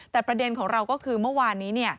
แต่ประเด็นของเราก็คือเมื่อวานนี้